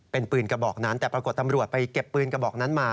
เป็นปืนกระบอกนั้นแต่ปรากฏตำรวจไปเก็บปืนกระบอกนั้นมา